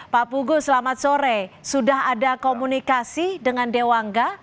pak pugu selamat sore sudah ada komunikasi dengan dewangga